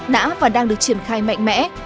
nã và đang được triển khai mạnh mẽ